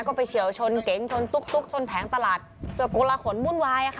ก็ไปเฉียวชนเก๊งชนตุ๊กตุ๊กชนแผงตลาดแต่กุระขนมุ่นวายอ่ะค่ะ